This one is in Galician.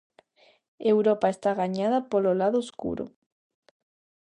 Europa está gañada polo lado escuro.